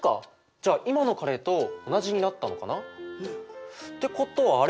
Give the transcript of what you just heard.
じゃあ今のカレーと同じになったのかな？ってことはあれ？